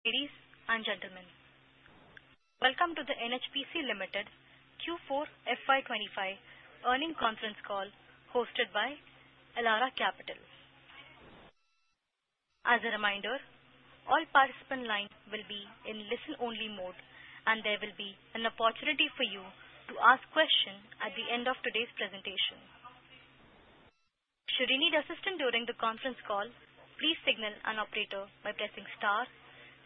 Ladies and gentlemen, welcome to the NHPC Limited Q4 FY 2025 Earnings Conference Call hosted by Elara Capital. As a reminder, all participant lines will be in listen-only mode, and there will be an opportunity for you to ask questions at the end of today's presentation. Should you need assistance during the conference call, please signal an operator by pressing star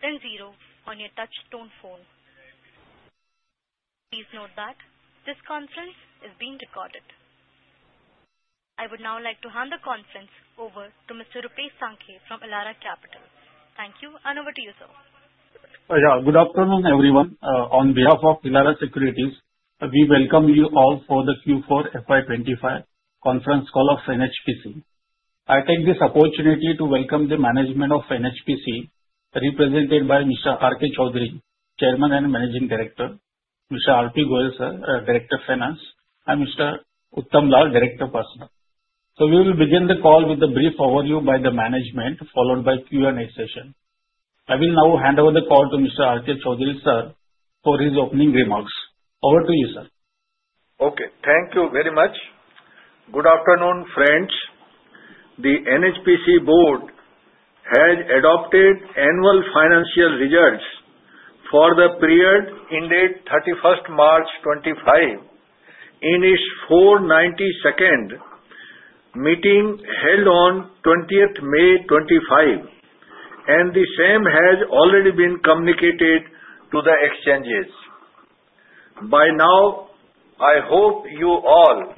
then zero on your touch-tone phone. Please note that this conference is being recorded. I would now like to hand the conference over to Mr. Rupesh Sankhe from Elara Capital. Thank you, and over to you, sir. Yeah, good afternoon, everyone. On behalf of Elara Capital, we welcome you all for the Q4 FY 2025 conference call of NHPC. I take this opportunity to welcome the management of NHPC, represented by Mr. R.K. Chaudhary, Chairman and Managing Director, Mr. R.P. Goyal, Director of Finance, and Mr. Uttam Lal, Director of Personnel. So we will begin the call with a brief overview by the management, followed by a Q&A session. I will now hand over the call to Mr. R.K. Chaudhary, sir, for his opening remarks. Over to you, sir. Okay, thank you very much. Good afternoon, friends. The NHPC Board has adopted annual financial results for the period ended 31st March 2025 in its 492nd meeting held on 20th May 2025, and the same has already been communicated to the exchanges. By now, I hope you all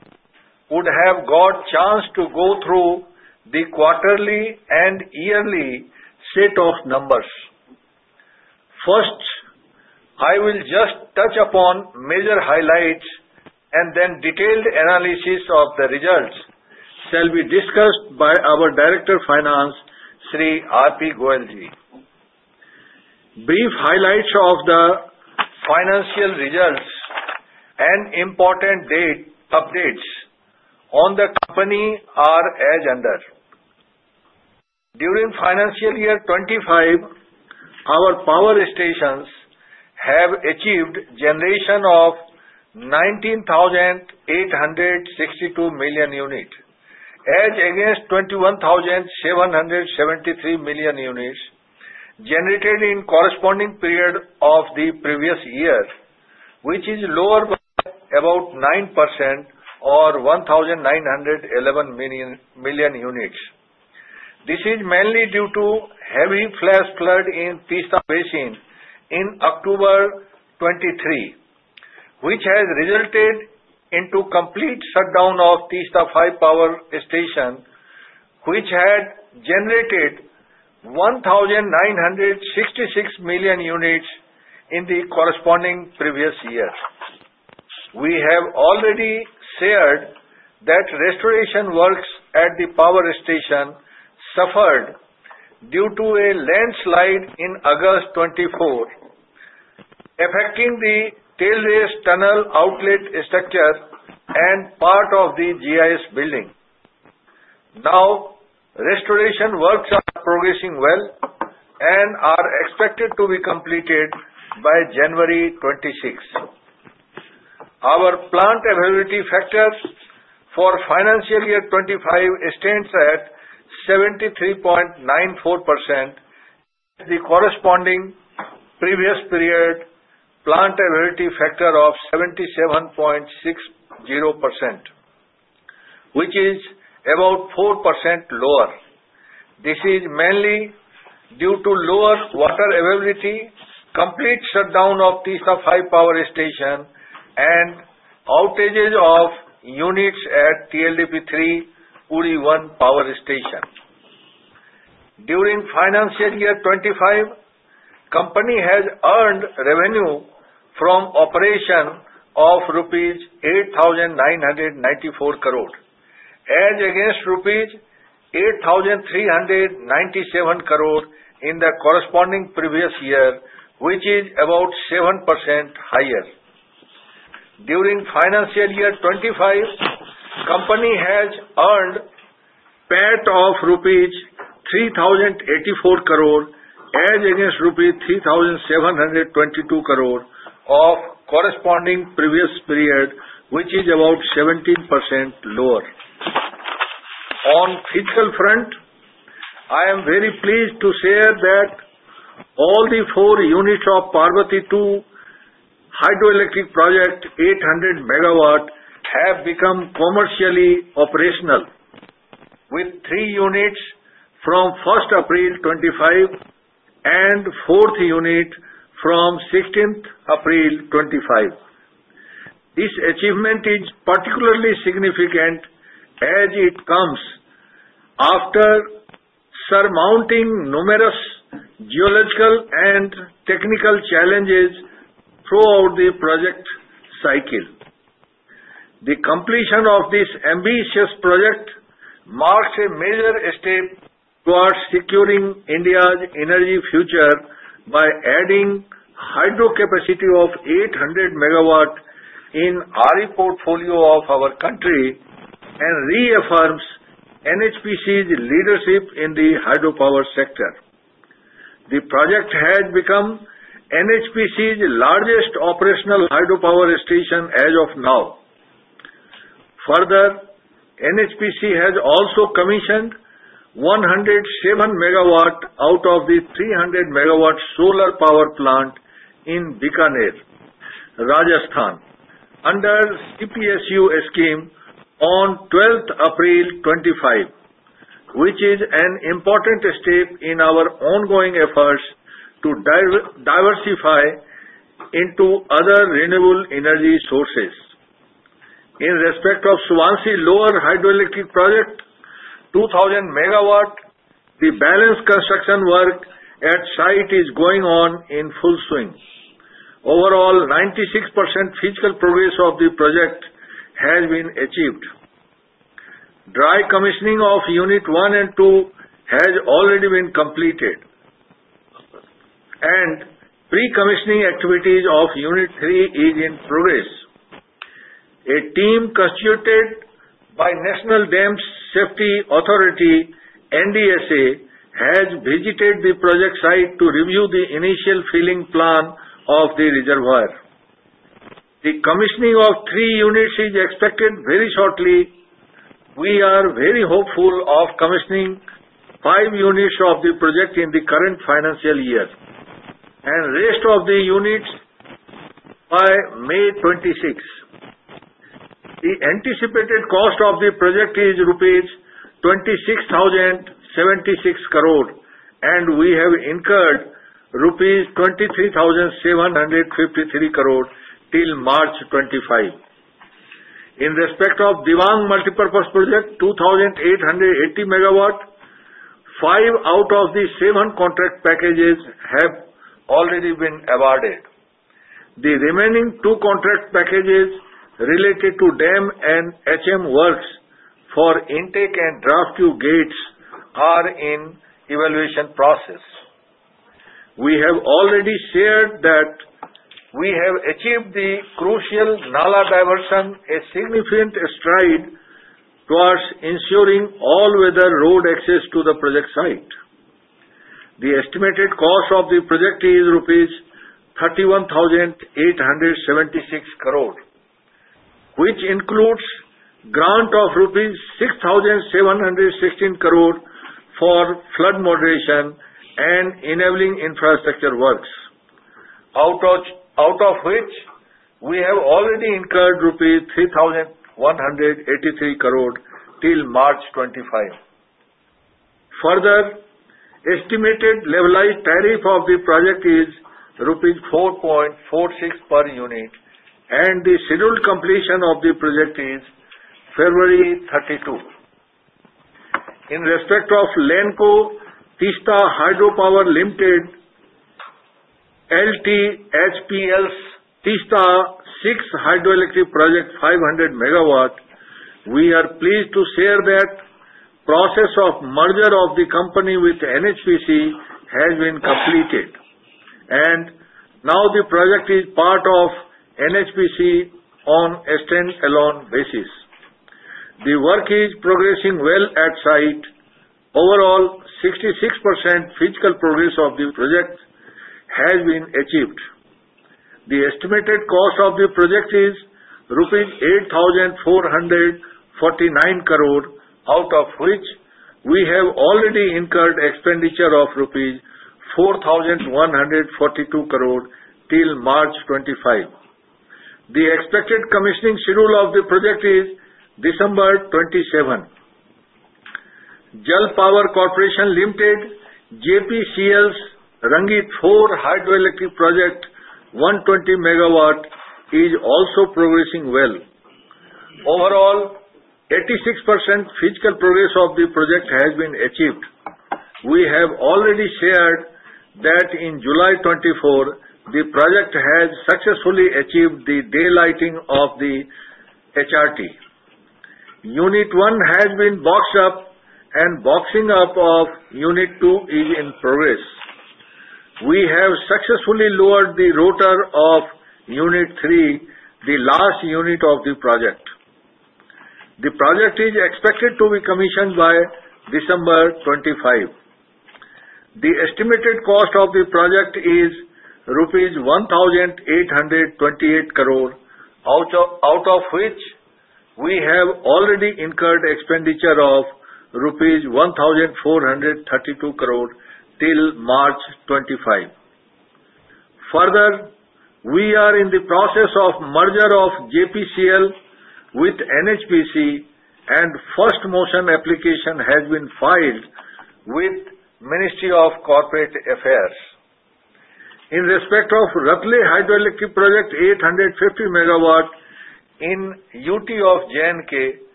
would have got a chance to go through the quarterly and yearly set of numbers. First, I will just touch upon major highlights, and then detailed analysis of the results shall be discussed by our Director of Finance, Shri R.P. Goyal. Brief highlights of the financial results and important updates on the company are as under: During financial year 2025, our power stations have achieved a generation of 19,862 million units, as against 21,773 million units generated in the corresponding period of the previous year, which is lower by about 9% or 1,911 million units. This is mainly due to heavy flash flood in Teesta Basin in October 2023, which has resulted in the complete shutdown of Teesta-V power station, which had generated 1,966 million units in the corresponding previous year. We have already shared that restoration works at the power station suffered due to a landslide in August 2024, affecting the tail race tunnel outlet structure and part of the GIS building. Now, restoration works are progressing well and are expected to be completed by January 2026. Our plant availability factors for financial year 2025 stand at 73.94%, the corresponding previous period plant availability factor of 77.60%, which is about 4% lower. This is mainly due to lower water availability, complete shutdown of Teesta-V power station, and outages of units at TLDP-III, Uri-I power station. During financial year 2025, the company has earned revenue from operation of 8,994 crore rupees, as against 8,397 crore rupees in the corresponding previous year, which is about 7% higher. During financial year 2025, the company has earned a PAT of rupees 3,084 crore, as against rupee 3,722 crore of the corresponding previous period, which is about 17% lower. On the physical front, I am very pleased to share that all the four units of Parbati-II hydroelectric project, 800 MW, have become commercially operational, with three units from 1st April 2025 and fourth unit from 16th April 2025. This achievement is particularly significant as it comes after surmounting numerous geological and technical challenges throughout the project cycle. The completion of this ambitious project marks a major step towards securing India's energy future by adding hydro capacity of 800 MW in the RE portfolio of our country and reaffirms NHPC's leadership in the hydro power sector. The project has become NHPC's largest operational hydro power station as of now. Further, NHPC has also commissioned 107 MW out of the 300 MW solar power plant in Bikaner, Rajasthan, under the CPSU scheme on 12th April 2025, which is an important step in our ongoing efforts to diversify into other renewable energy sources. In respect of the Subansiri Lower Hydroelectric Project, 2,000 MW, the balance construction work at the site is going on in full swing. Overall, 96% physical progress of the project has been achieved. Dry commissioning of unit one and two has already been completed, and pre-commissioning activities of unit three are in progress. A team constituted by the National Dam Safety Authority, NDSA, has visited the project site to review the initial filling plan of the reservoir. The commissioning of three units is expected very shortly. We are very hopeful of commissioning five units of the project in the current financial year and the rest of the units by May 2026. The anticipated cost of the project is 26,076 crore rupees, and we have incurred 23,753 crore rupees till March 2025. In respect of the Dibang Multipurpose Project, 2,880 MW, five out of the seven contract packages have already been awarded. The remaining two contract packages related to dam and HM works for intake and draft tube gates are in the evaluation process. We have already shared that we have achieved the crucial Nala diversion, a significant stride towards ensuring all-weather road access to the project site. The estimated cost of the project is rupees 31,876 crore, which includes a grant of rupees 6,716 crore for flood moderation and enabling infrastructure works, out of which we have already incurred rupees 3,183 crore till March 2025. Further, the estimated levelized tariff of the project is rupees 4.46 per unit, and the scheduled completion of the project is February 2032. In respect of Lanco Teesta Hydro Power Limited, LTHPL's Teesta-VI hydroelectric project, 500 MW, we are pleased to share that the process of merger of the company with NHPC has been completed, and now the project is part of NHPC on an extended loan basis. The work is progressing well at the site. Overall, 66%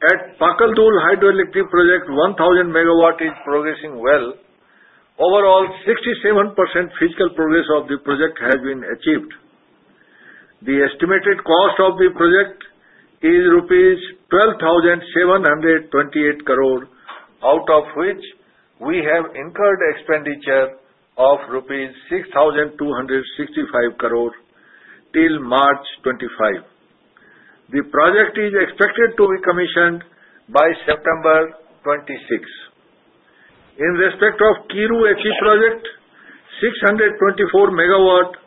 physical progress of the project has been achieved. The estimated cost of the project is rupees 8,449 crore, out of which we have already incurred an expenditure of rupees 4,142 crore till March 2025. The expected commissioning schedule of the project is December 2027. Jal Power Corporation Limited, JPCL's Rangit-IV hydroelectric project, 120 MW, is also progressing well.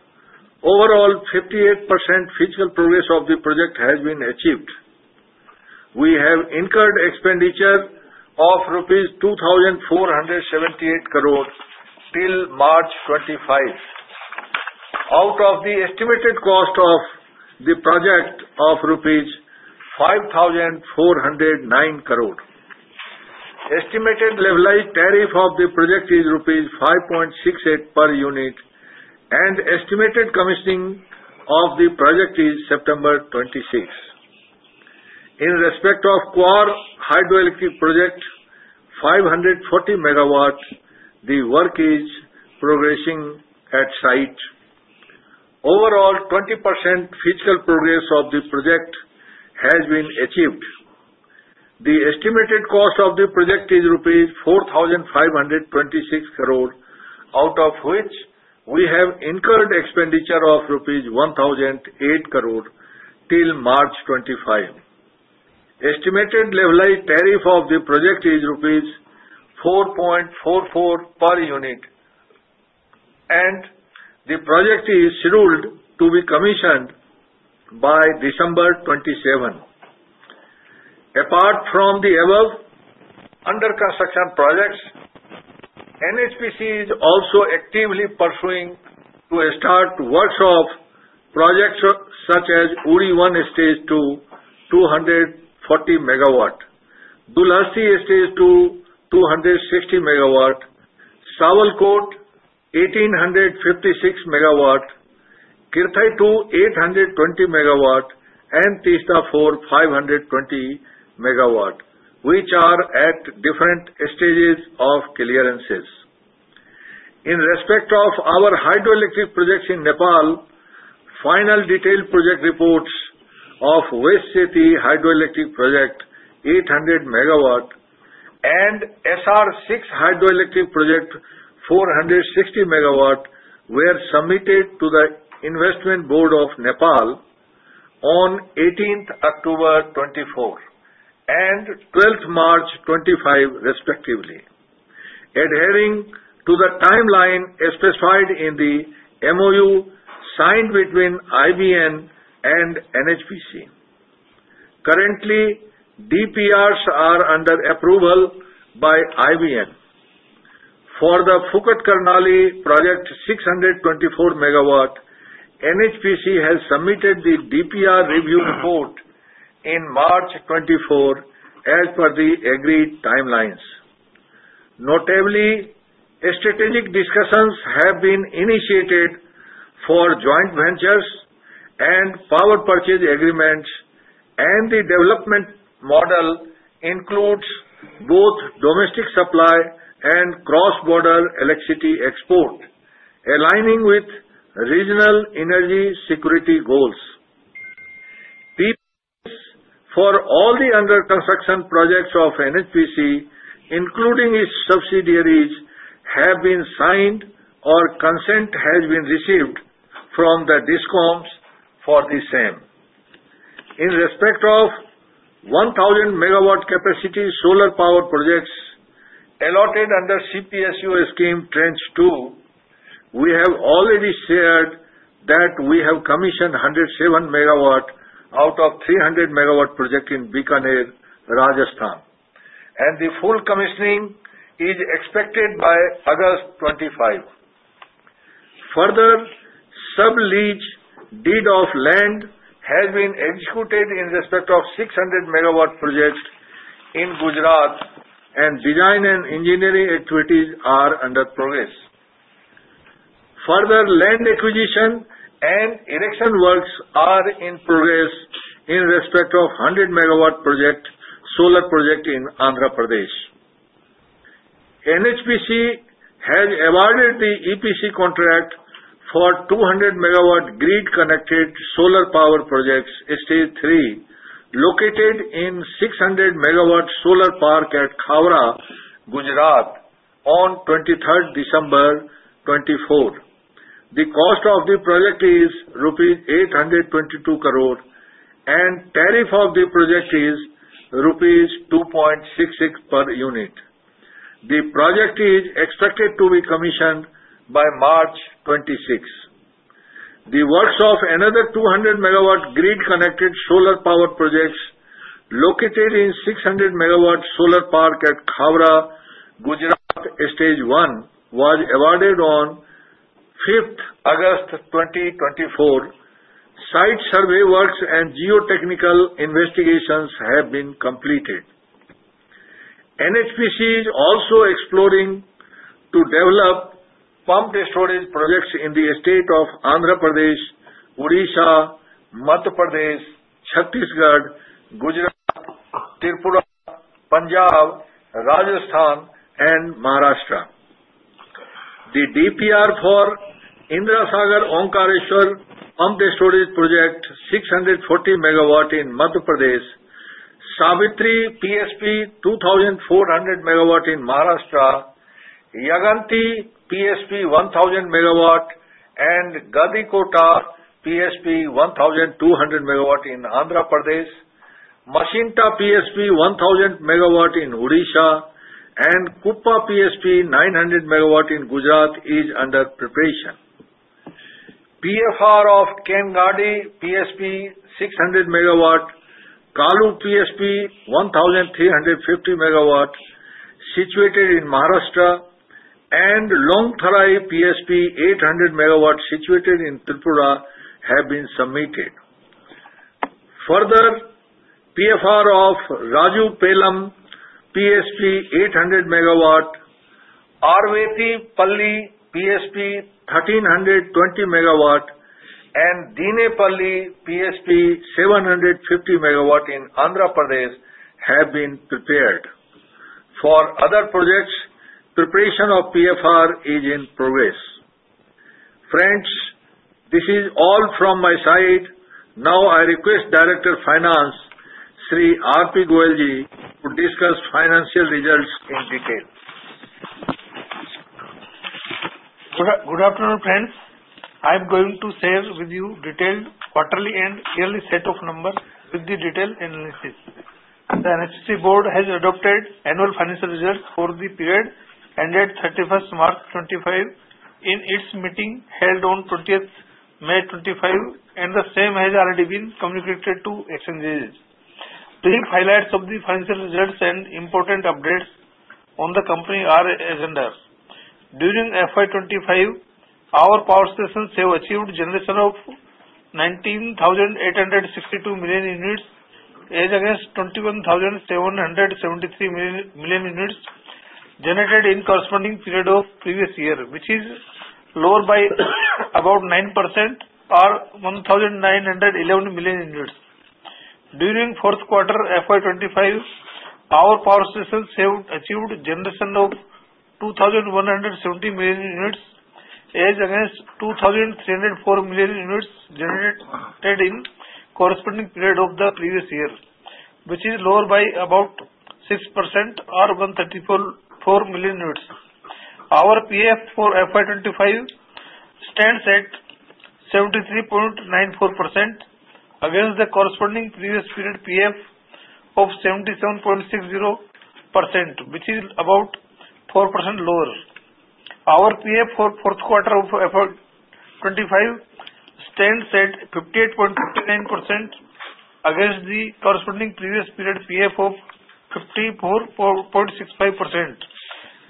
Overall, 86% physical progress of the project has been achieved. We have already shared that in July 2024, the project has successfully achieved the daylighting of the HRT. Unit one has been boxed up, and the boxing up of unit two is in progress. We have successfully lowered the rotor of unit three, the last unit of the project. The project is expected to be commissioned by December 2025. The estimated cost of the project is INR 1,828 crore, out of which we have already incurred an expenditure of INR 1,432 crore till March 2025. Further, we are in the process of the merger of JPCL with NHPC, and the first motion application has been filed with the Ministry of Corporate Affairs. In respect of the Ratle Hydroelectric Project, 850 MW in the UT of J&K, the work is progressing well at the project site. September 2026. In respect of the Kwar Hydroelectric Project, 540 MW, the work is progressing at the site. Overall, 20% physical progress of the project has been achieved. The estimated cost of the project is INR 4,526 crore, out of which we have incurred an expenditure of INR 1,008 crore till March 2025. The estimated levelized tariff of the project is INR 4.44 per unit, and the project is scheduled to be commissioned by December 2027. Apart from the above under-construction projects, NHPC is also actively pursuing to start work on projects such as Uri-I Stage-II, 240 MW, Dulhasti Stage-II, 260 MW, Sawalkot 1,856 MW, Kirthai-II 820 MW, and Teesta-IV 520 MW, which are at different stages of clearances. In respect of our hydroelectric projects in Nepal, final detailed project reports of West Seti Hydroelectric Project 800 MW and SR-6 Hydroelectric Project 460 MW were submitted to the Investment Board of Nepal on 18th October 2024 and 12th March 2025, respectively, adhering to the timeline specified in the MoU signed between IBN and NHPC. Currently, DPRs are under approval by IBN. For the Phukot Karnali Project 624 MW, NHPC has submitted the DPR review report in March 2024 as per the agreed timelines. Notably, strategic discussions have been initiated for joint ventures and power purchase agreements, and the development model includes both domestic supply and cross-border electricity export, aligning with regional energy security goals. PPAs for all the under construction projects of NHPC, including its subsidiaries, have been signed or consent has been received from the DISCOMs for the same. In respect of 1,000 MW capacity solar power projects allotted under the CPSU scheme Tranche-II, we have already shared that we have commissioned 107 MW out of 300 MW projects in Bikaner, Rajasthan, and the full commissioning is expected by August 2025. Further, sub-lease deed of land has been executed in respect of 600 MW projects in Gujarat, and design and engineering activities are in progress. Further, land acquisition and erection works are in progress in respect of 100 MW solar project in Andhra Pradesh. NHPC has awarded the EPC contract for 200 MW grid-connected solar power projects, Stage 3, located in the 600 MW solar park at Khavda, Gujarat, on 23rd December 2024. The cost of the project is rupees 822 crore, and the tariff of the project is rupees 2.66 per unit. The project is expected to be commissioned by March 2026. The works of another 200 MW grid-connected solar power projects located in the 600 MW solar park at Khavda, Gujarat, Stage 1, were awarded on 5th August 2024. Site survey works and geotechnical investigations have been completed. NHPC is also exploring to develop pumped storage projects in the states of Andhra Pradesh, Odisha, Madhya Pradesh, Chhattisgarh, Gujarat, Tripura, Punjab, Rajasthan, and Maharashtra. The DPR for Indira Sagar-Omkareshwar pumped storage project, 640 MW in Madhya Pradesh, Savitri PSP 2,400 MW in Maharashtra, Yaganti PSP 1,000 MW, and Gandikota PSP 1,200 MW in Andhra Pradesh, Machkund PSP 1,000 MW in Odisha, and Kuppa PSP 900 MW in Gujarat is under preparation. PFR of Kengadi PSP 600 MW, Kalu PSP 1,350 MW situated in Maharashtra, and Longtharai PSP 800 MW situated in Tripura have been submitted. Further, PFR of Rajupalem PSP 800 MW, Aravetipalli PSP 1,320 MW, and Deenepalli PSP 750 MW in Andhra Pradesh have been prepared. For other projects, preparation of PFR is in progress. Friends, this is all from my side. Now, I request Director of Finance, Shri R.P. Goyal, to discuss financial results in detail. Good afternoon, friends. I am going to share with you a detailed quarterly and yearly set of numbers with the detailed analysis. The NHPC Board has adopted annual financial results for the period ended 31st March 2025 in its meeting held on 20th May 2025, and the same has already been communicated to exchanges. Three highlights of the financial results and important updates on the company are as follows: During FY 2025, our power stations have achieved a generation of 19,862 million units as against 21,773 million units generated in the corresponding period of the previous year, which is lower by about 9% or 1,911 million units. During the fourth quarter of FY 2025, our power stations have achieved a generation of 2,170 million units as against 2,304 million units generated in the corresponding period of the previous year, which is lower by about 6% or 134 million units. Our PF for FY 2025 stands at 73.94% against the corresponding previous period PF of 77.60%, which is about 4% lower. Our PF for the fourth quarter of FY 2025 stands at 58.59% against the corresponding previous period PF of 54.65%,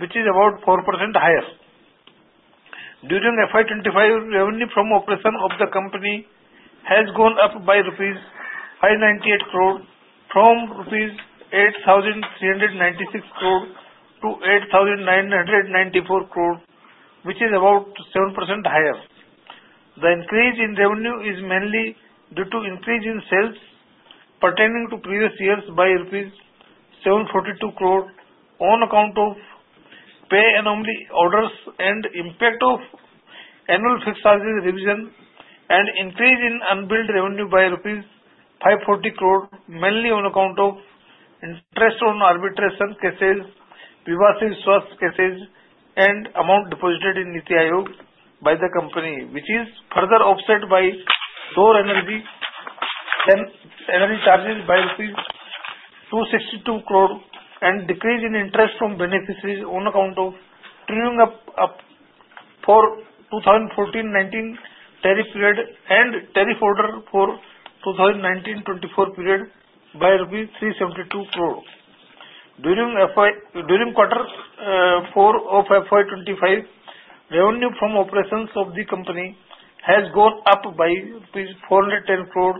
which is about 4% higher. During FY 2025, revenue from operations of the company has gone up by INR 598 crore from INR 8,396 crore to INR 8,994 crore, which is about 7% higher. The increase in revenue is mainly due to an increase in sales pertaining to previous years by INR 742 crore on account of pay anomaly orders and the impact of annual fixed sales revision and an increase in unbilled revenue by INR 540 crore, mainly on account of interest on arbitration cases, PPA cases, and amount deposited in NITI Aayog by the company, which is further offset by lower energy charges by 262 crore and a decrease in interest on beneficiaries on account of true-up for the 2014-2019 tariff period and the tariff order for the 2019-2024 period by rupees 372 crore. During quarter 4 of FY 2025, revenue from operations of the company has gone up by rupees 410 crore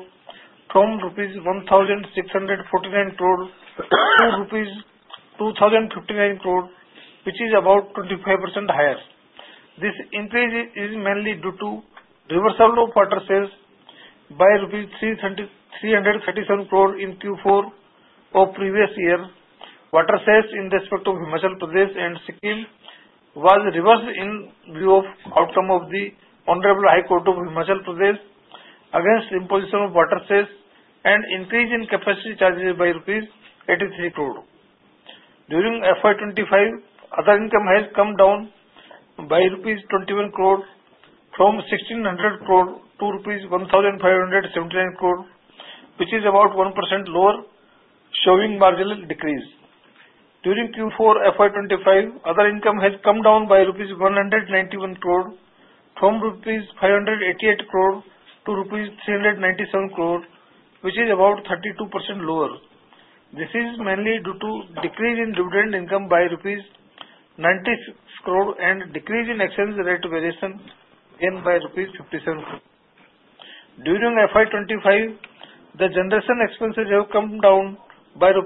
from rupees 1,649 crore to rupees 2,059 crore, which is about 25% higher. This increase is mainly due to the reversal of water cess by INR 337 crore in the Q4 of the previous year. Water cess in respect of Himachal Pradesh and Sikkim were reversed in view of the outcome of the Honorable High Court of Himachal Pradesh against the imposition of water cess and an increase in capacity charges by rupees 83 crore. During FY 2025, other income has come down by rupees 21 crore from 1,600 crore-1,579 crore rupees, which is about 1% lower, showing a marginal decrease. During Q4 FY 2025, other income has come down by rupees 191 crore from 588 crore-397 crore rupees, which is about 32% lower. This is mainly due to a decrease in dividend income by rupees 96 crore and a decrease in exchange rate variation again by rupees 57 crore. During FY 2025, the generation expenses have come down by 18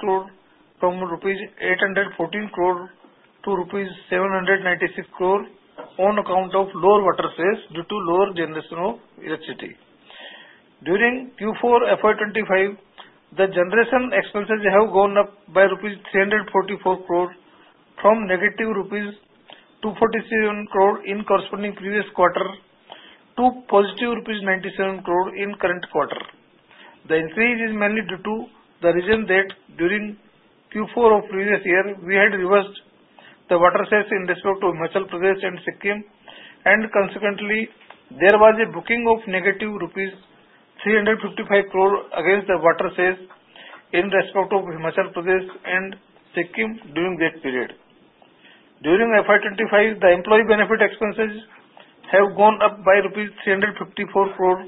crore rupees from 814 crore-796 crore rupees on account of lower water sales due to lower generation of electricity. During Q4 FY 2025, the generation expenses have gone up by INR 344 crore from negative INR 247 crore in the corresponding previous quarter to positive INR 97 crore in the current quarter. The increase is mainly due to the reason that during Q4 of the previous year, we had reversed the water sales in respect to Himachal Pradesh and Sikkim, and consequently, there was a booking of negative rupees 355 crore against the water sales in respect of Himachal Pradesh and Sikkim during that period. During FY 2025, the employee benefit expenses have gone up by 354 crore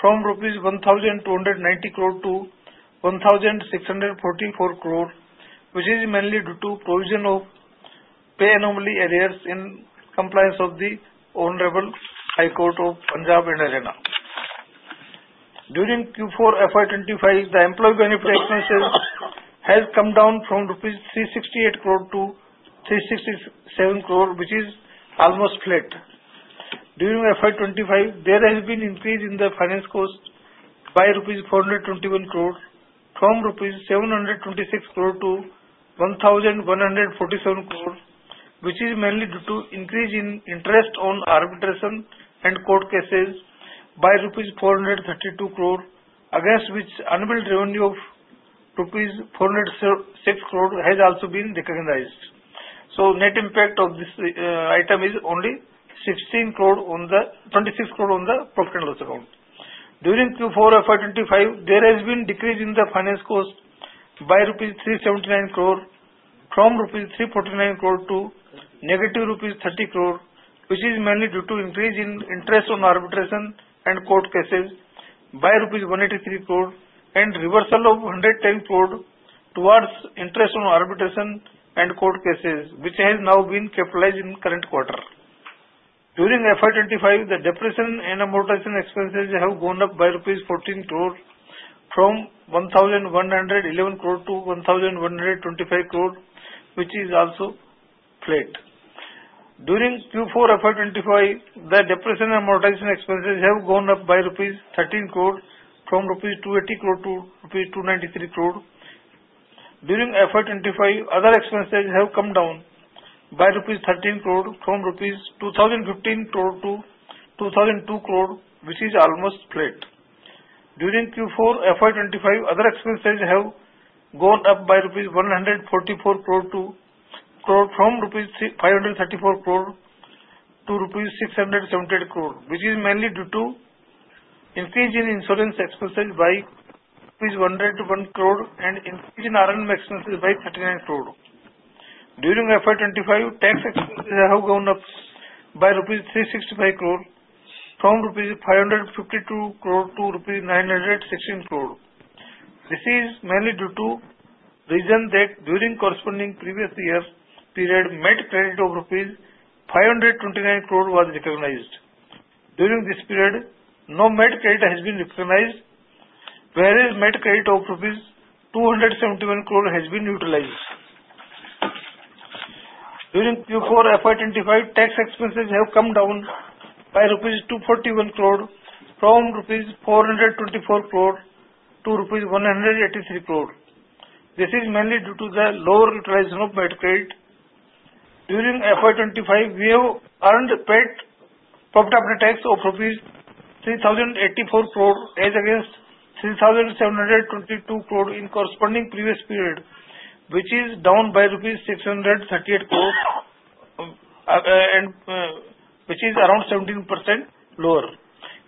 from 1,290 crore-1,644 crore rupees, which is mainly due to the provision of pay anomaly arrears in compliance of the Honorable High Court of Punjab and Haryana. During Q4 FY 2025, the employee benefit expenses have come down from 368 crore-367 crore rupees, which is almost flat. During FY 2025, there has been an increase in the finance cost by rupees 421 crore from 726 crore-1,147 crore rupees, which is mainly due to an increase in interest on arbitration and court cases by rupees 432 crore, against which unbilled revenue of rupees 406 crore has also been recognized. So, the net impact of this item is only 16 crore on the profit and loss account. During Q4 FY 2025, there has been a decrease in the finance cost by INR 379 crore from INR 349 crore to negative INR 30 crore, which is mainly due to an increase in interest on arbitration and court cases by INR 183 crore and a reversal of INR 110 crore towards interest on arbitration and court cases, which has now been capitalized in the current quarter. During FY 2025, the depreciation and amortization expenses have gone up by rupees 14 crore from 1,111 crore-1,125 crore, which is also flat. During Q4 FY 2025, the depreciation and amortization expenses have gone up by 13 crore rupees from 280 crore-293 crore rupees. During FY 2025, other expenses have come down by rupees 13 crore from 2,015 crore-2,002 crore rupees, which is almost flat. During Q4 FY 2025, other expenses have gone up by rupees 144 crore from 534 crore-678 crore rupees, which is mainly due to an increase in insurance expenses by rupees 101 crore and an increase in R&M expenses by 39 crore. During FY 2025, tax expenses have gone up by rupees 365 crore from 552 crore-916 crore rupees. This is mainly due to the reason that during the corresponding previous year period, the MAT credit of rupees 529 crore was recognized. During this period, no MAT credit has been recognized, whereas the MAT credit of 271 crore has been utilized. During Q4 FY 2025, tax expenses have come down by rupees 241 crore from 424 crore-183 crore rupees. This is mainly due to the lower utilization of MAT credit. During FY 2025, we have earned PAT profit after tax of INR 3,084 crore as against INR 3,722 crore in the corresponding previous period, which is down by INR 638 crore, which is around 17% lower.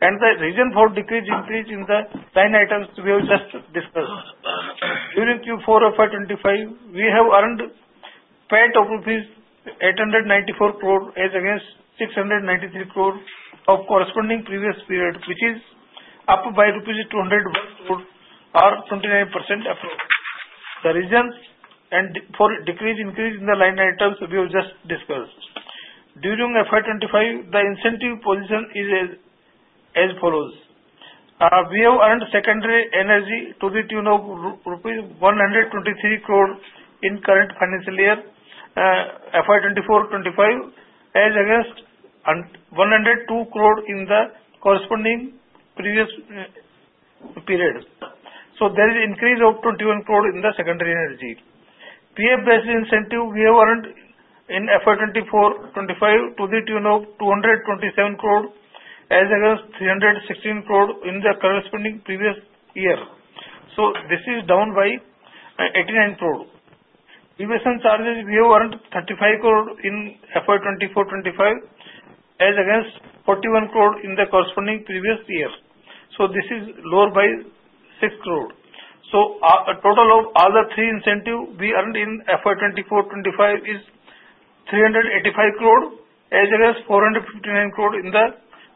The reason for the decrease increase in the nine items we have just discussed. During Q4 FY 2025, we have earned PAT of rupees 894 crore as against 693 crore of the corresponding previous period, which is up by rupees 201 crore or 29% approx. The reasons for the decrease increase in the nine items we have just discussed. During FY 2025, the incentive position is as follows: We have earned secondary energy to the tune of INR 123 crore in the current financial year FY 2024-2025 as against 102 crore in the corresponding previous period. So, there is an increase of 21 crore in the secondary energy. PF-based incentive we have earned in FY 2024-2025 to the tune of 227 crore as against 316 crore in the corresponding previous year. So, this is down by 89 crore. Deviation charges we have earned 35 crore in FY 2024-2025 as against 41 crore in the corresponding previous year. So, this is lower by 6 crore. So, the total of all the three incentives we earned in FY 2024-2025 is 385 crore as against 459 crore in the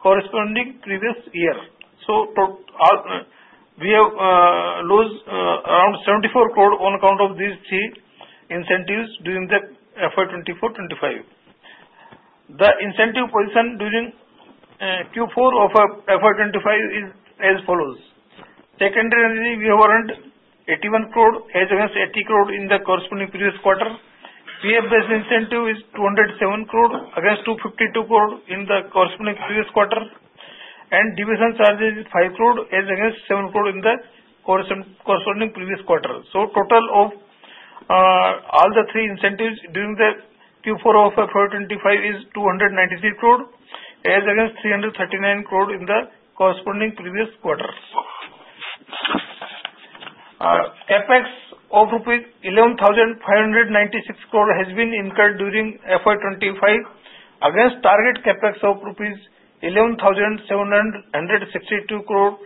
corresponding previous year. So, we have lost around INR. 74 crore on account of these three incentives during FY 2024-25. The incentive position during Q4 of FY 2025 is as follows: Secondary energy, we have earned 81 crore as against 80 crore in the corresponding previous quarter. PF-based incentive is 207 crore against 252 crore in the corresponding previous quarter, and deviation charges is 5 crore as against 7 crore in the corresponding previous quarter. The total of all the three incentives during Q4 of FY 2025 is 293 crore as against 339 crore in the corresponding previous quarter. CapEx of INR 11,596 crore has been incurred during FY 2025 against target CapEx of INR 11,762 crore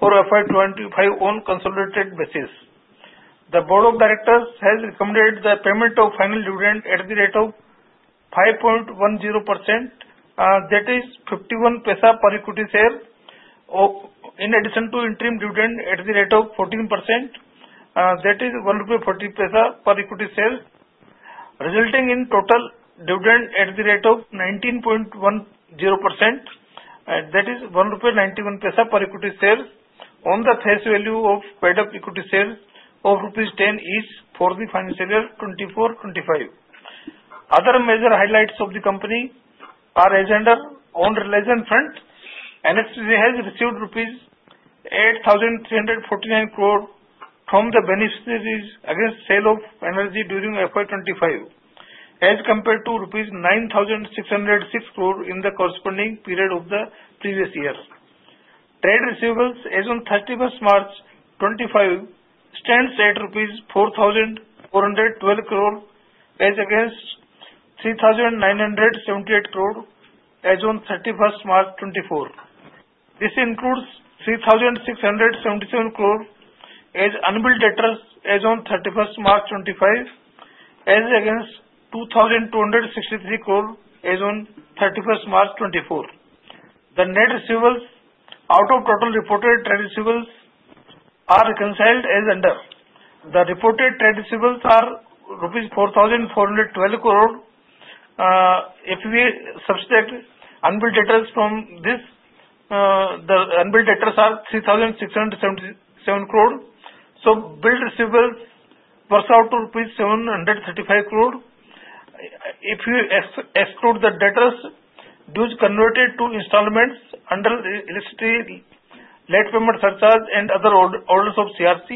for FY 2025 on consolidated basis. The Board of Directors has recommended the payment of final dividend at the rate of 5.10%, that is 0.51 per equity share, in addition to interim dividend at the rate of 14%, that is 1.40 rupee per equity share, resulting in total dividend at the rate of 19.10%, that is 1.91 rupee per equity share on the face value of paid-up equity share of rupees 10 each for the financial year 2024-25. Other major highlights of the company are as under. On operational front, NHPC has received rupees 8,349 crore from the beneficiaries against sale of energy during FY 2025, as compared to rupees 9,606 crore in the corresponding period of the previous year. Trade receivables as on 31 March 2025 stands at rupees 4,412 crore as against 3,978 crore as on 31 March 2024. This includes 3,677 crore as unbilled debtors as on 31 March 2025, as against 2,263 crore as on 31st March 2024. The net receivables out of total reported trade receivables are reconciled as under: The reported trade receivables are rupees 4,412 crore. If we subtract unbilled debtors from this, the unbilled debtors are 3,677 crore rupees. So, billed receivables work out to rupees 735 crore. If we exclude the debtors' dues converted to installments under electricity late payment surcharge and other orders of CERC,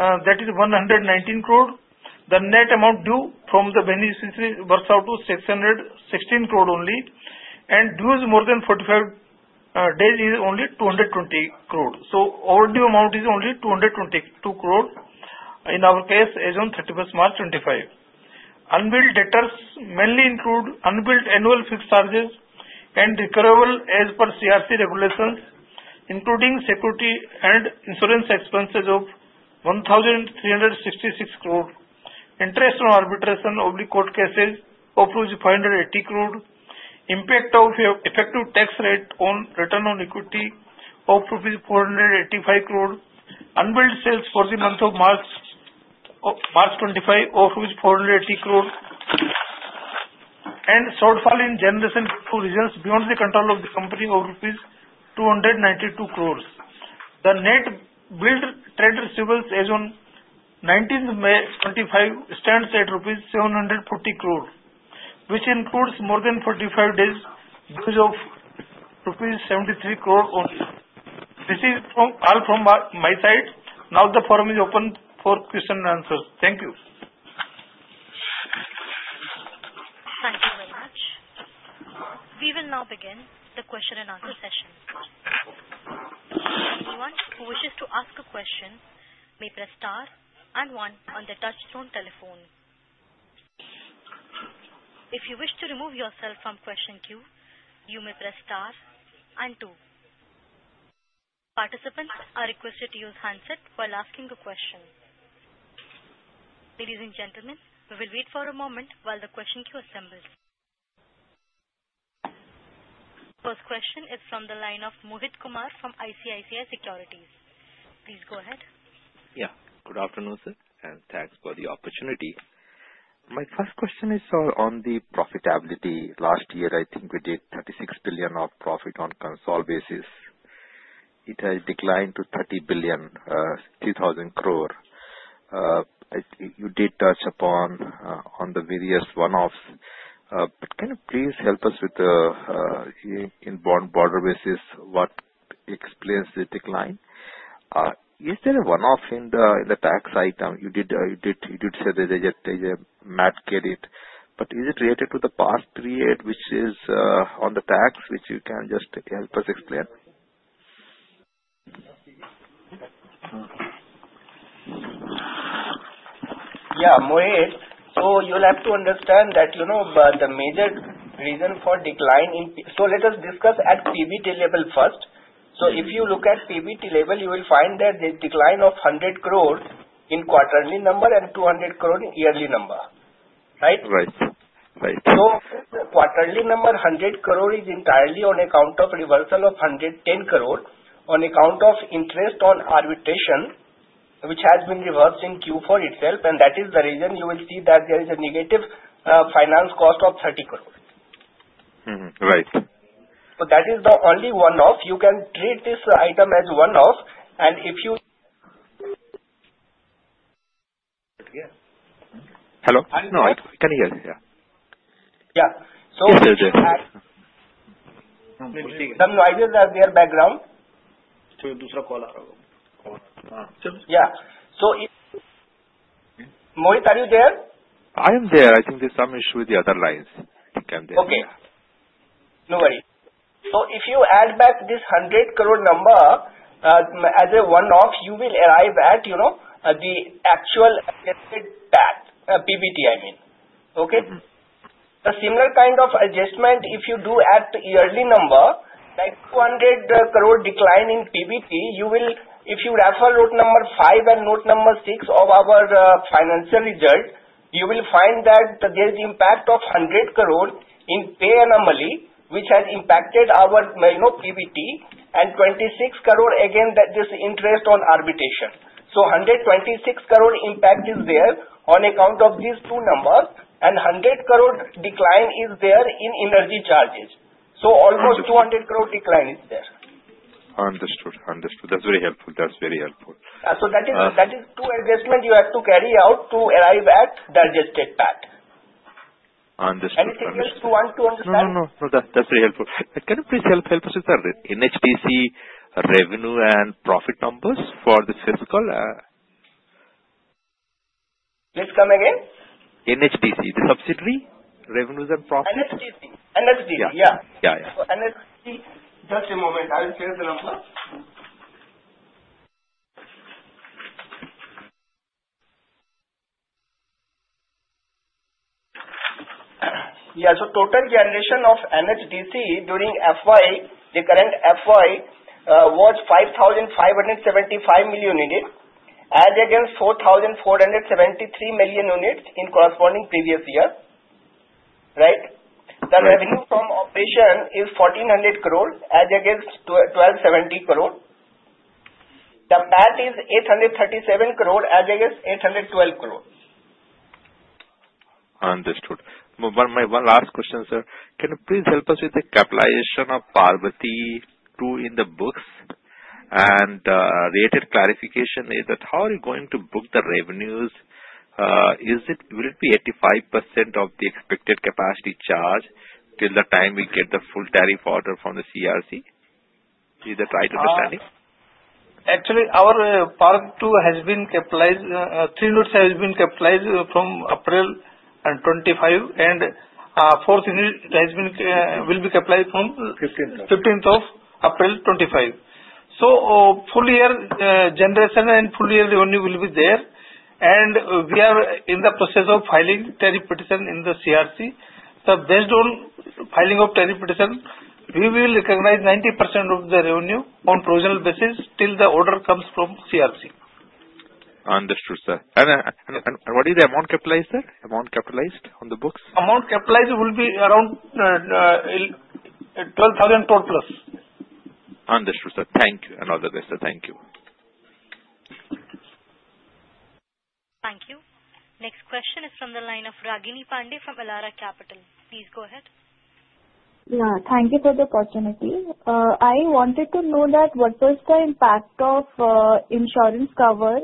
that is 119 crore. The net amount due from the beneficiaries works out to 616 crore only, and dues more than 45 days is only 220 crore. So, overdue amount is only 222 crore in our case as on 31st March 2025. Unbilled debtors mainly include unbilled annual fixed charges and recoverable as per CERC regulations, including security and insurance expenses of 1,366 crore. Interest on arbitration of the court cases of INR 580 crore. Impact of effective tax rate on return on equity of 485 crore. Unbilled sales for the month of March 2025 of 480 crore and shortfall in generation results beyond the control of the company of rupees 292 crore. The net billed trade receivables as on 19 May 2025 stands at INR 740 crore, which includes more than 45 days dues of INR 73 crore only. This is all from my side. Now the forum is open for questions and answers. Thank you. Thank you very much. We will now begin the question and answer session. Anyone who wishes to ask a question may press star and one on the touch-tone telephone. If you wish to remove yourself from question queue, you may press star and two. Participants are requested to use handset while asking a question. Ladies and gentlemen, we will wait for a moment while the question queue assembles. The first question is from the line of Mohit Kumar from ICICI Securities. Please go ahead. Yeah. Good afternoon, sir, and thanks for the opportunity. My first question is on the profitability. Last year, I think we did 36 billion of profit on consolidated basis. It has declined to 30 billion, 3,000 crore. You did touch upon the various one-offs. But can you please help us with the, on a broader basis, what explains the decline? Is there a one-off in the tax item? You did say that there's a MAT credit. But is it related to the past period, which is on the tax, which you can just help us explain? Yeah, Mohit. So you'll have to understand that the major reason for decline in—so let us discuss at PBT level first. So if you look at PBT level, you will find that there's a decline of 100 crore in quarterly number and 200 crore in yearly number, right? Right. Right. So the quarterly number 100 crore is entirely on account of reversal of 110 crore on account of interest on arbitration, which has been reversed in Q4 itself. And that is the reason you will see that there is a negative finance cost of 30 crore. Right. So that is the only one-off. You can treat this item as one-off. And if you—Hello? No, I can hear you. Yeah. Yeah. So you can— Yes, yes, yes. Some noises are there in the background. So a different call. Yeah. So Mohit, are you there? I am there. I think there's some issue with the other lines. I think I'm there. Okay. No worries. So if you add back this 100 crore number as a one-off, you will arrive at the actual PBT, I mean. Okay? The similar kind of adjustment, if you do add the yearly number, like 200 crore decline in PBT, you will—if you refer note number five and note number six of our financial result, you will find that there's the impact of 100 crore in pay anomaly, which has impacted our PBT, and 26 crore again that this interest on arbitration. So 126 crore impact is there on account of these two numbers, and 100 crore decline is there in energy charges. So almost 200 crore decline is there. Understood. Understood. That's very helpful. That's very helpful. So that is two adjustments you have to carry out to arrive at the adjusted PAT. Understood. Anything else you want to understand? No, no. That's very helpful. Can you please help us with the NHPC revenue and profit numbers for the fiscal? Please come again. NHPC, the subsidiary revenues and profits? NHPC. NHPC, yeah. Yeah, yeah. So NHPC, just a moment. I will share the number. Yeah. So total generation of NHPC during FY, the current FY, was 5,575 million units as against 4,473 million units in the corresponding previous year, right? The revenue from operation is 1,400 crore as against 1,270 crore. The PAT is 837 crore as against 812 crore. Understood. My one last question, sir. Can you please help us with the capitalization of Parbati-II in the books? And related clarification is that how are you going to book the revenues? Will it be 85% of the expected capacity charge till the time we get the full tariff order from the CERC? Is that right understanding? Actually, our Parbati-II has been capitalized. Three units have been capitalized from April 25, and fourth unit will be capitalized from 15th of April 2025. So full year generation and full year revenue will be there. And we are in the process of filing tariff petition in the CERC. So based on filing of tariff petition, we will recognize 90% of the revenue on provisional basis till the order comes from CERC. Understood, sir. And what is the amount capitalized, sir? Amount capitalized on the books? Amount capitalized will be around 12,000 crore plus. Understood, sir. Thank you. Another best. Thank you. Thank you. Next question is from the line of Ragini Pande from Elara Capital. Please go ahead. Yeah. Thank you for the opportunity. I wanted to know that what was the impact of insurance cover,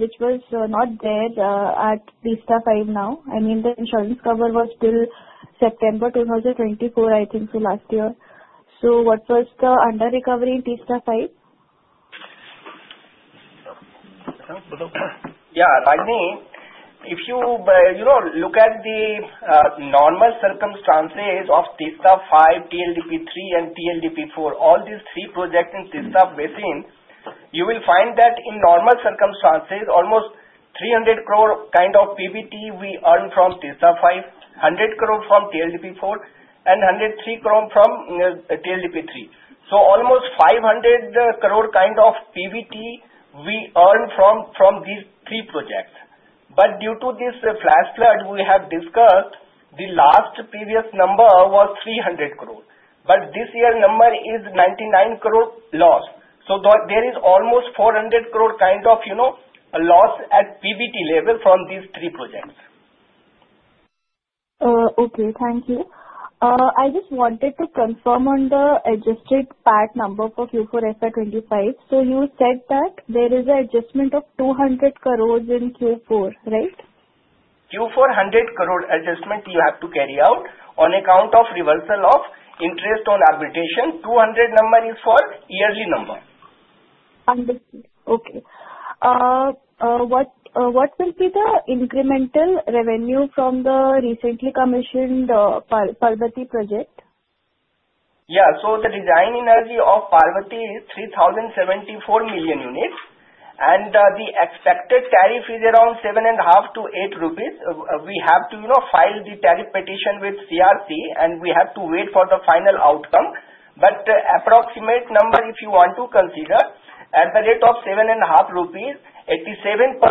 which was not there at Teesta-V now? I mean, the insurance cover was till September 2024, I think, so last year. So what was the under-recovery in Teesta-V? Yeah. Ragini, if you look at the normal circumstances of Teesta-V, TLDP-III, and TLDP-IV, all these three projects in Teesta basin, you will find that in normal circumstances, almost 300 crore kind of PBT we earned from Teesta-V, 100 crore from TLDP-IV, and 103 crore from TLDP-III. So almost 500 crore kind of PBT we earned from these three projects. But due to this flash flood, we have discussed the last previous number was 300 crore. But this year's number is 99 crore loss. So there is almost 400 crore kind of loss at PBT level from these three projects. Okay. Thank you. I just wanted to confirm on the adjusted PAT number for Q4 FY 2025. So you said that there is an adjustment of 200 crore in Q4, right? Q4, 100 crore adjustment you have to carry out on account of reversal of interest on arbitration. 200 number is for yearly number. Understood. Okay. What will be the incremental revenue from the recently commissioned Parbati project? Yeah. So the design energy of Parbati is 3,074 million units. And the expected tariff is around 7.5-8 rupees. We have to file the tariff petition with CERC, and we have to wait for the final outcome. But approximate number, if you want to consider, at the rate of 7.5 crore rupees, 87%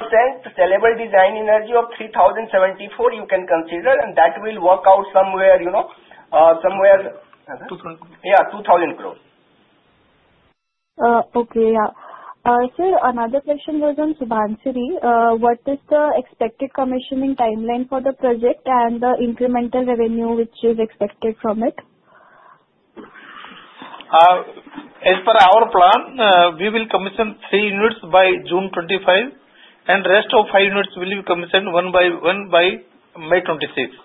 sellable design energy of 3,074 you can consider, and that will work out somewhere. Yeah. 2,000 crore. Yeah. 2,000 crore. Okay. Yeah. Sir, another question was on Subansiri. What is the expected commissioning timeline for the project and the incremental revenue which is expected from it? As per our plan, we will commission three units by June 2025, and the rest of five units will be commissioned one by May 2026.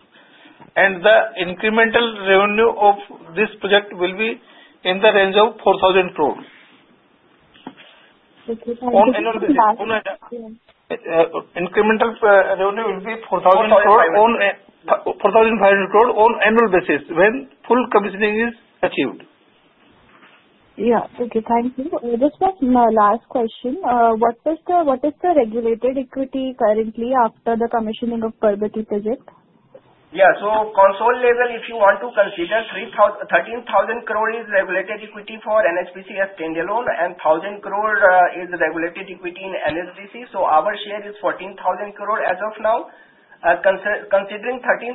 And the incremental revenue of this project will be in the range of 4,000 crore. On annual basis, incremental revenue will be 4,500 crore on annual basis when full commissioning is achieved. Yeah. Okay. Thank you. This was my last question. What is the regulated equity currently after the commissioning of Parbati project? Yeah. So consolidated, if you want to consider, 13,000 crore is regulated equity for NHPC as standalone, and 1,000 crore is regulated equity in NHPC. So our share is 14,000 crore as of now. Considering 13,000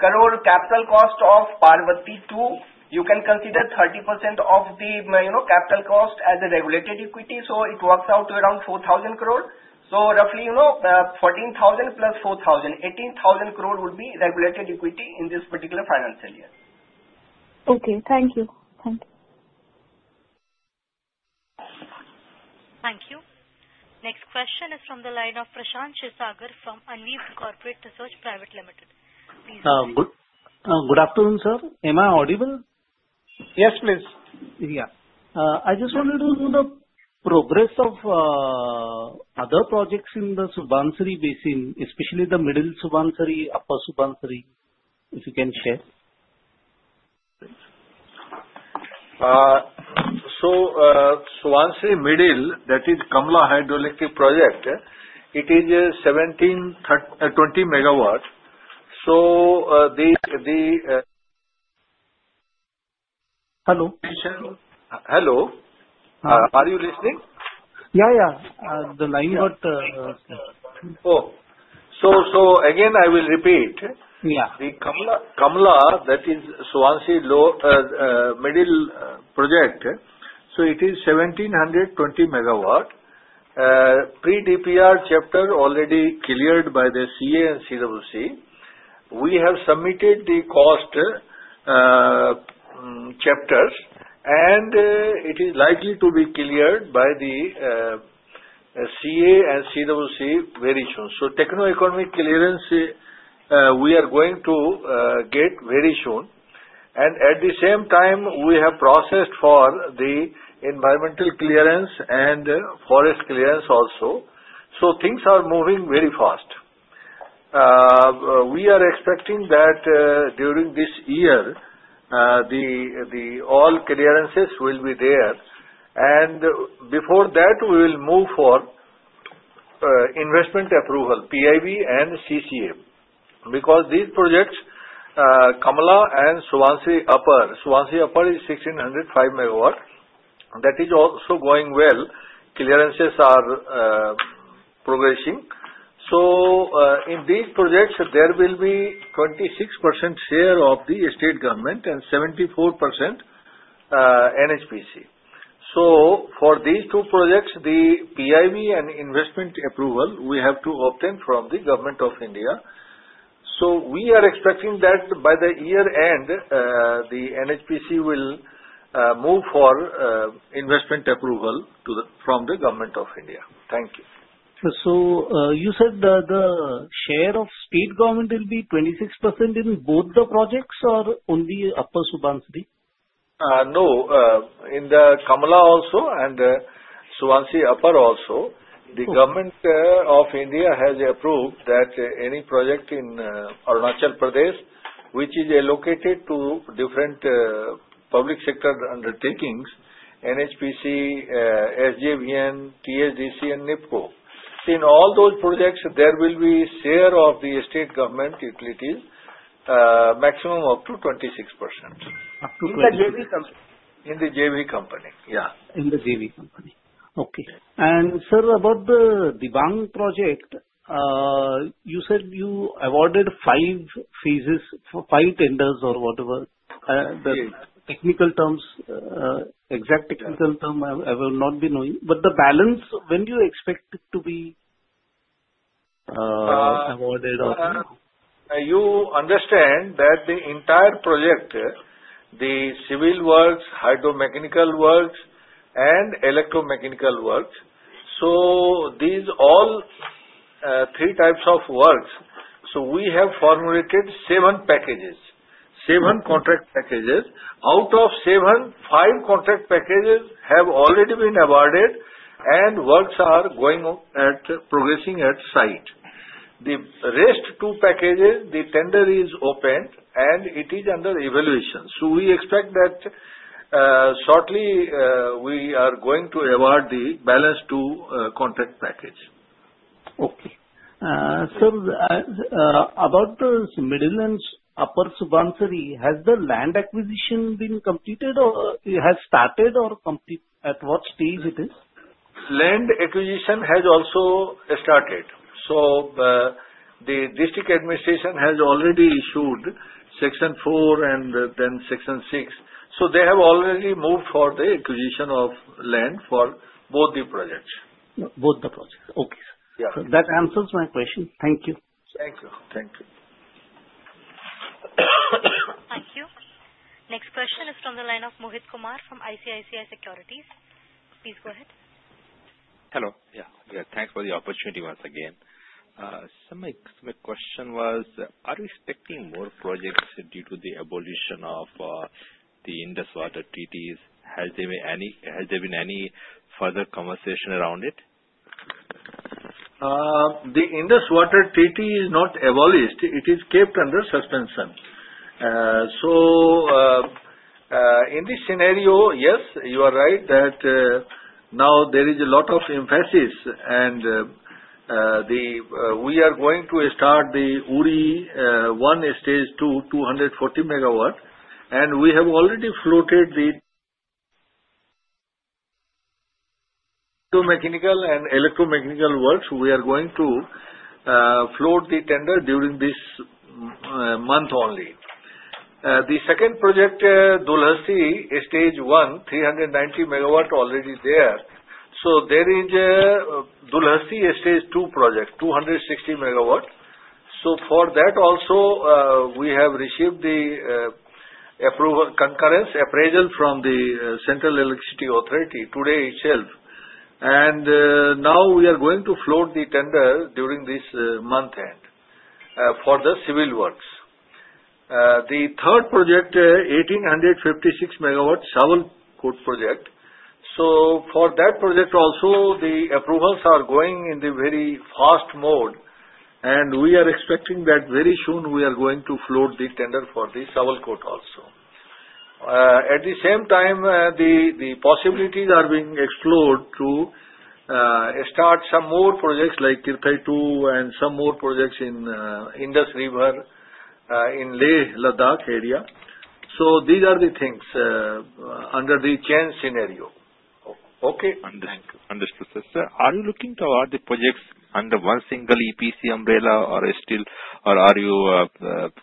crore capital cost of Parbati-II, you can consider 30% of the capital cost as a regulated equity. So it works out to around 4,000 crore. So roughly 14,000 plus 4,000, 18,000 crore would be regulated equity in this particular financial year. Okay. Thank you. Thank you. Thank you. Next question is from the line of Prashant Kshirsagar from Unived Corporate Research Private Limited. Please go ahead. Good afternoon, sir. Am I audible? Yes, please. Yeah. I just wanted to know the progress of other projects in the Subansiri basin, especially the Middle Subansiri, Upper Subansiri, if you can share. So Subansiri Middle, that is Kamala Hydroelectric Project, it is 1,720 MW. So the— Hello? Hello. Are you listening? Yeah, yeah. The line got— Oh. So again, I will repeat. The Kamala, that is Subansiri Middle project, so it is 1,720 MW. Pre-DPR chapter already cleared by the CEA and CWC. We have submitted the cost chapters, and it is likely to be cleared by the CEA and CWC very soon. Techno-economic clearance, we are going to get very soon. And at the same time, we have processed for the environmental clearance and forest clearance also. Things are moving very fast. We are expecting that during this year, all clearances will be there. Before that, we will move for investment approval, PIB and CCEA. Because these projects, Kamala and Subansiri Upper, Subansiri Upper is 1,605 MW. That is also going well. Clearances are progressing. In these projects, there will be 26% share of the state government and 74% NHPC. For these two projects, the PIB and investment approval, we have to obtain from the Government of India. We are expecting that by the year end, the NHPC will move for investment approval from the Government of India. Thank you. You said the share of state government will be 26% in both the projects or only upper Subansiri? No. In the Kamala also and Subansiri upper also, the Government of India has approved that any project in Arunachal Pradesh, which is allocated to different public sector undertakings, NHPC, SJVN, THDC, and NEEPCO, in all those projects, there will be share of the state government equities, maximum up to 26%. Up to 26%. In the JV company. In the JV company. Yeah. In the JV company. Okay. And sir, about the Dibang project, you said you awarded five phases, five tenders or whatever. The technical terms, exact technical term, I will not be knowing. But the balance, when do you expect it to be awarded or? You understand that the entire project, the civil works, hydro-mechanical works, and electromechanical works, so these all three types of works, so we have formulated seven packages, seven contract packages. Out of seven, five contract packages have already been awarded, and works are progressing at site. The rest two packages, the tender is opened, and it is under evaluation. So we expect that shortly, we are going to award the balance two contract package. Okay. Sir, about the middle and upper Subansiri, has the land acquisition been completed or has started or at what stage it is? Land acquisition has also started. So the district administration has already issued section 4 and then section 6. So they have already moved for the acquisition of land for both the projects. Both the projects. Okay. That answers my question. Thank you. Thank you. Thank you. Thank you. Next question is from the line of Mohit Kumar from ICICI Securities. Please go ahead. Hello. Yeah. Yeah. Thanks for the opportunity once again. Sir, my question was, are you expecting more projects due to the abolition of the Indus Water Treaty? Has there been any further conversation around it? The Indus Water Treaty is not abolished. It is kept under suspension. So in this scenario, yes, you are right that now there is a lot of emphasis, and we are going to start the Uri-I Stage-II, 240 MW. And we have already floated the mechanical and electromechanical works. We are going to float the tender during this month only. The second project, Dulhasti Stage-I, 390 MW already there. So there is Dulhasti Stage-II project, 260 MW. So for that also, we have received the concurrence appraisal from the Central Electricity Authority today itself. And now we are going to float the tender during this month end for the civil works. The third project, 1,856 MW, Sawalkot project. So for that project also, the approvals are going in the very fast mode. And we are expecting that very soon, we are going to float the tender for the Sawalkot also. At the same time, the possibilities are being explored to start some more projects like Kirthai-II and some more projects in Indus River in Leh Ladakh area. So these are the things under the Chenab scenario. Okay. Understood, sir. Sir, are you looking toward the projects under one single EPC umbrella, or are you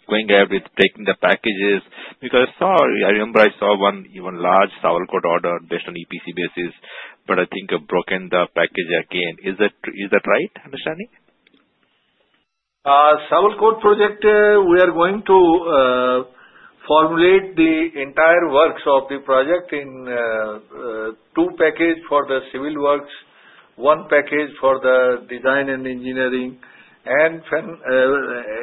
going ahead with taking the packages? Because I remember I saw one even large Sawalkot order based on EPC basis, but I think it's been broken into the package again. Is that right? Understanding? Sawalkot project, we are going to formulate the entire works of the project in two packages for the civil works, one package for the design and engineering, and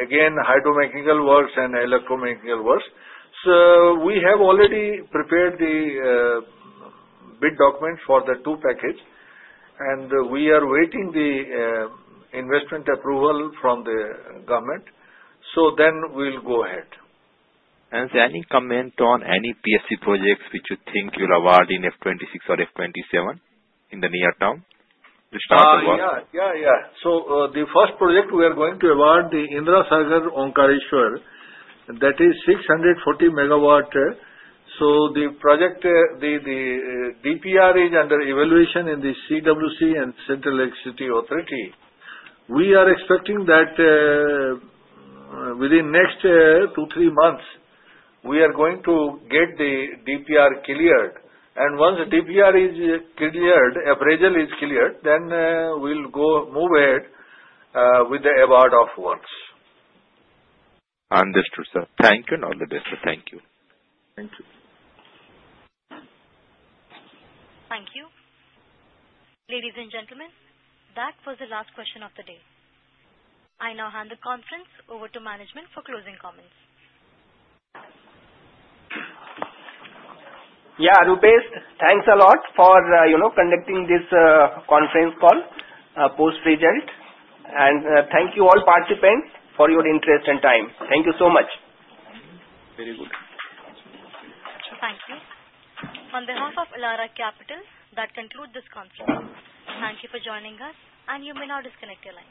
again, hydro-mechanical works and electromechanical works. So we have already prepared the bid document for the two packages, and we are waiting for the investment approval from the government. So then we'll go ahead. Has any comment on any PSP projects which you think you'll award in FY 2026 or FY 2027 in the near term to start the work? Yeah. Yeah. Yeah. Yeah. So the first project we are going to award, the Indira Sagar-Omkareshwar, that is 640 MW. So the project, the DPR is under evaluation in the CWC and Central Electricity Authority. We are expecting that within next two, three months, we are going to get the DPR cleared. Once the DPR is cleared, appraisal is cleared, then we'll move ahead with the award of works. Understood, sir. Thank you and all the best. Thank you. Thank you. Thank you. Ladies and gentlemen, that was the last question of the day. I now hand the conference over to management for closing comments. Yeah. Rupesh, thanks a lot for conducting this conference call post-result. Thank you all participants for your interest and time. Thank you so much. Very good. Thank you. On behalf of Elara Capital, that concludes this conference. Thank you for joining us, and you may now disconnect your line.